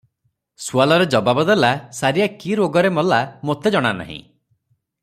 ସୁଆଲରେ ଜବାବ ଦେଲା ସାରିଆ କି ରୋଗରେ ମଲା ମୋତେ ଜଣାନାହିଁ ।